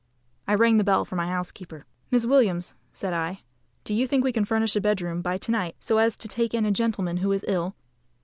I rang the bell for my housekeeper. "Miss Williams," said I, "do you think we can furnish a bedroom by to night, so as to take in a gentleman who is ill?"